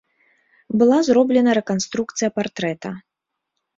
Была зроблена рэканструкцыя партрэта.